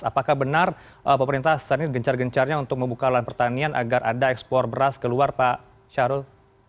apakah benar pemerintah saat ini gencar gencarnya untuk membuka lahan pertanian agar ada ekspor beras keluar pak syarul